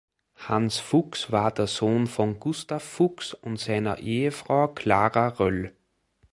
Hans Fuchs war der Sohn von Gustav Fuchs und seiner Ehefrau Clara Roell.